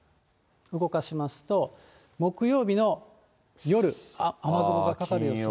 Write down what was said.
動かしますと、木曜日の夜、雨雲がかかるんですね。